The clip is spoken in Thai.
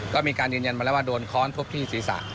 ก็มีการยืนยันมาแล้วว่าโดนค้อนทุบที่ศีรษะ